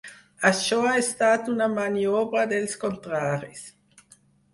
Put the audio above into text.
Això ha estat una maniobra dels contraris.